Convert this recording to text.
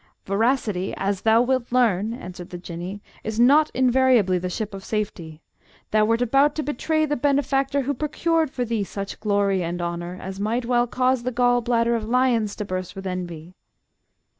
"Veracity, as thou wilt learn," answered the Jinnee, "is not invariably the Ship of Safety. Thou wert about to betray the benefactor who procured for thee such glory and honour as might well cause the gall bladder of lions to burst with envy!"